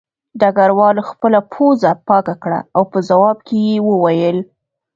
ډګروال خپله پوزه پاکه کړه او په ځواب کې یې وویل